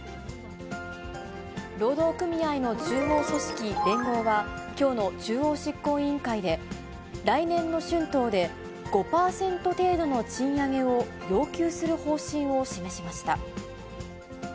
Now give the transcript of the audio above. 労働組合の中央組織、連合はきょうで、来年の春闘で５％程度の賃上げを要求する方針を示しました。